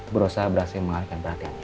brosah berhasil mengarikkan perhatiannya